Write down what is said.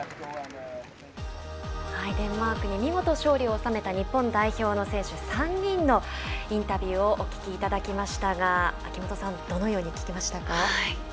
デンマークに見事勝利を収めた日本代表の選手３人のインタビューをお聞きいただきましたが秋元さん、どのようにお聞きになりましたか？